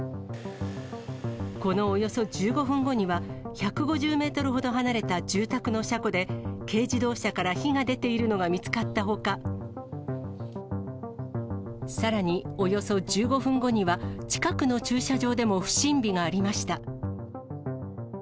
このおよそ１５分後には、１５０メートルほど離れた住宅の車庫で、軽自動車から火が出ているのが見つかったほか、さらにおよそ１５分後には、近くの駐車場でも不審火がありました。